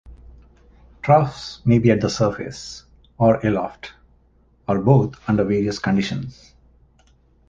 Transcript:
Troughs may be at the surface, or aloft, or both under various conditions.